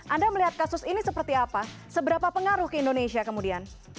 anda melihat kasus ini seperti apa seberapa pengaruh ke indonesia kemudian